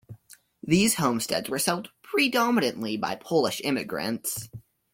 These homesteads were settled predominantly by Polish immigrants.